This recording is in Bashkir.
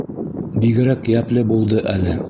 Бигерәк йәпле булды әле.